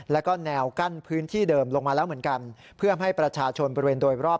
แล้วก็แนวกั้นพื้นที่เดิมลงมาแล้วเหมือนกันเพื่อให้ประชาชนบริเวณโดยรอบ